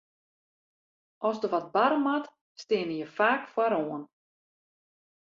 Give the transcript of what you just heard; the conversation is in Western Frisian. As der wat barre moat, steane je faak foaroan.